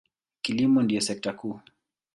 Kilimo ndiyo sekta kuu.